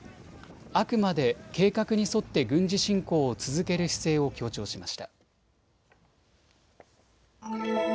あくまで計画に沿って軍事侵攻を続ける姿勢を強調しました。